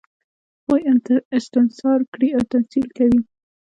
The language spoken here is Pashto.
هغوی استثمار کړي او تمثیل کوي.